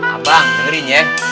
abang dengerin ya